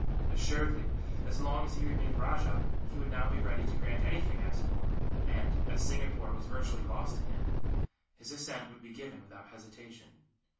Assuredly, as long as he remained rajah, he would now be ready to grant anything asked for and, as Singapore was virtually lost to him, his assent would be given without hesitation.